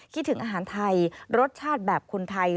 คิดถึงอาหารไทยรสชาติแบบคนไทย